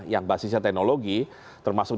yang basisnya teknologi termasuk